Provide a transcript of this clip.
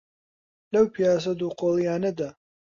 لەو پیاسە دووقۆڵییانەدا،